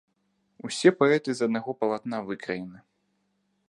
Усе паэты з аднаго палатна выкраены.